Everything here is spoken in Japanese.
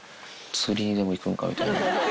釣りにでも行くのかみたいな。